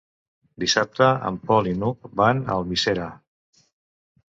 Dissabte en Pol i n'Hug van a Almiserà.